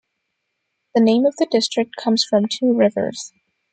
The name of the district comes from two rivers.